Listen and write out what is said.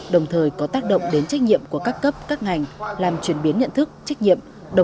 đồng thời có tác động đến trách nhiệm của các cấp các ngành làm chuyển biến nhận thức trách nhiệm